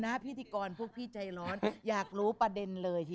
มันต้องมีครบนะ